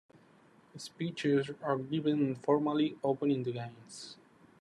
Speeches are given, formally opening the games.